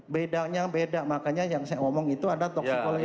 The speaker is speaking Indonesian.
bedanya beda makanya yang saya omong itu ada toksikologi